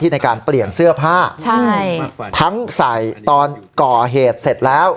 ในการเปลี่ยนเสื้อผ้าใช่ทั้งใส่ตอนก่อเหตุเสร็จแล้ว